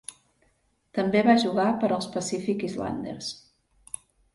També va jugar per als Pacific Islanders.